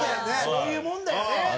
そういうもんだよね。